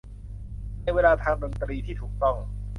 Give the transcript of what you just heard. ในเวลาทางดนตรีที่ถูกต้อง